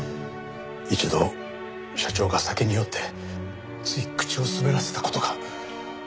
一度社長が酒に酔ってつい口を滑らせた事が。